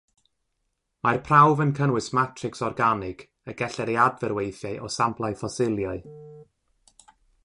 Mae'r prawf yn cynnwys matrics organig, y gellir ei adfer weithiau o samplau ffosiliau.